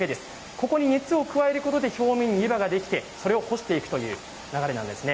ここに熱を加えることで表面に湯葉が出来てそれを干していくという流れなんですね。